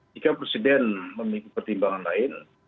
jika presiden memiliki pertimbangan lain